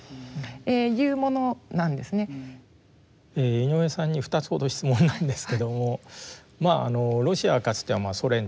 井上さんに２つほど質問なんですけどもロシアはかつてはソ連ってな形でですね